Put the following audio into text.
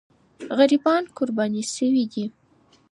غریبان قرباني سوي دي.